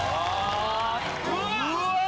・うわ！